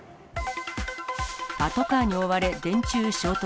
パトカーに追われ電柱衝突。